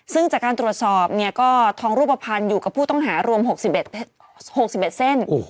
ซึ่งจากการตรวจสอบเนี่ยก็ทองรูปภัณฑ์อยู่กับผู้ต้องหารวม๖๑เส้น